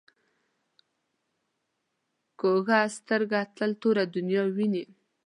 کوږه سترګه تل توره دنیا ویني